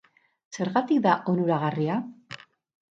Zergatik da onuragarria?